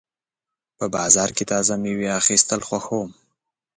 په بازار کې تازه مېوې اخیستل خوښوم.